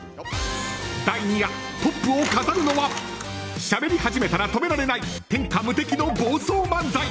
第２夜、トップを飾るのはしゃべり始めたら止められない天下無敵の暴走漫才